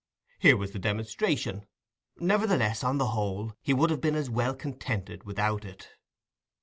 Here was the demonstration: nevertheless, on the whole, he would have been as well contented without it.